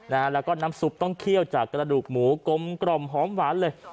แล้วก็น้ำซุปต้องเคี่ยวจากกระดูกหมูกลมกล่อมหอมหวานเลย